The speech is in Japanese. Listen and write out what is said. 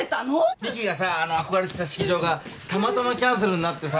美樹がさ憧れてた式場がたまたまキャンセルになってさ。